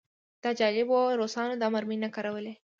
دا جالبه وه ځکه روسانو دا مرمۍ نه کارولې